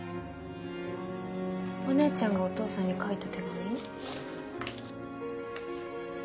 お姉ちゃんがお父さんに書いた手紙。